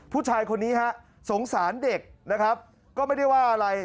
ผู้ชายคนนี้ฮะสงสารเด็กนะครับก็ไม่ได้ว่าอะไร